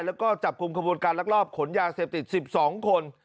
แล้วก็จับกมขบวนการรักรอบขนยาเสพติดสิบสองคน